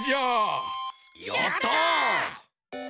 やった！